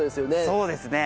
そうですね。